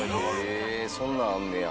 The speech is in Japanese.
そんなんあんねや。